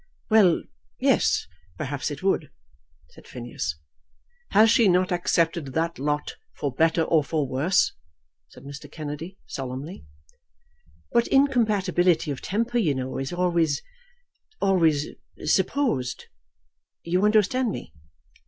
"Well; yes; perhaps it would," said Phineas. "Has she not accepted that lot for better or for worse?" said Mr. Kennedy, solemnly. "But incompatibility of temper, you know, is always, always supposed . You understand me?"